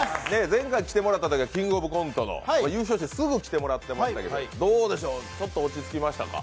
前回来てもらったときは「キングオブコント」の優勝してすぐ来てもらってましたけど、どうでしょう、ちょっと落ち着きましたか？